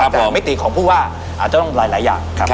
แต่มิติของผู้ว่าอาจจะต้องหลายอย่าง